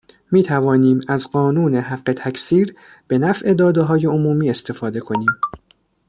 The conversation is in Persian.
میتوانیم از قانون حق تکثیر به نفع دادههای عمومی استفاده کنیم